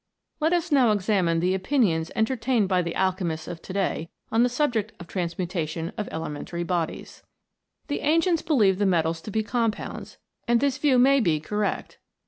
Let us now examine the opinions entertained by the alchemists of to day on the subject of the transmutation of elementary bodies. 84 MODERN ALCHEMY. The ancients believed the metals to be compounds, and this view may be correct.